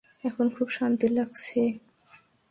এখন খুব শান্তি লাগছে।